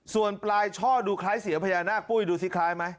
ส่วนปลายช่อดูคล้ายเสียพญานาคปุ้ยดูสิคล้ายไหม